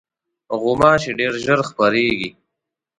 غوماشې ډېر ژر خپرېږي.